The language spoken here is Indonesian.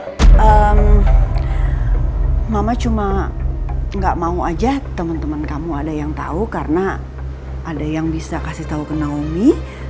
ehm mama cuma gak mau aja temen temen kamu ada yang tau karena ada yang bisa kasih tau ke naomi